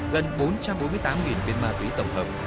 gần bốn trăm bốn mươi tám viên ma túy tổng hợp